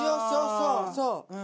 そうそう。